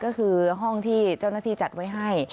ก็คือห้องที่เจ้าหน้าที่จัดไว้ให้